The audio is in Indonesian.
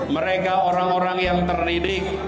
mereka orang orang yang terdidik